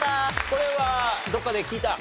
これはどっかで聞いた？